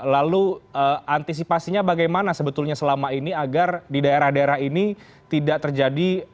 lalu antisipasinya bagaimana sebetulnya selama ini agar di daerah daerah ini tidak terjadi